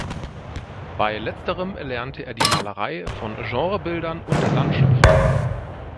Bei letzterem erlernte er die Malerei von Genrebildern und Landschaften.